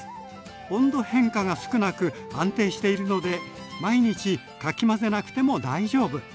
温度変化が少なく安定しているので毎日かき混ぜなくても大丈夫。